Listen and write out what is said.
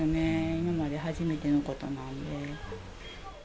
今まで、初めてのことなんで。